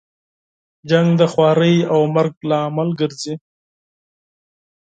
جنګ د خوارۍ او مرګ لامل ګرځي.